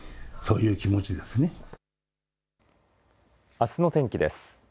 あすの天気です。